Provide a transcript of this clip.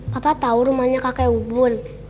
papa tahu rumahnya kakek ubun